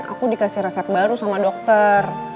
aku dikasih resep baru sama dokter